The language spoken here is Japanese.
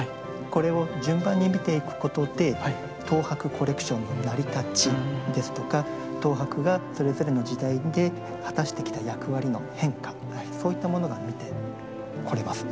これを順番に見ていくことで東博コレクションの成り立ちですとか東博がそれぞれの時代で果たしてきた役割の変化そういったものが見てこれます。